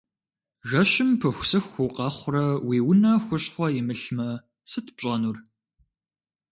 Жэщым пыхусыху укъэхъурэ уи унэ хущхъуэ имылъмэ, сыт пщӏэнур?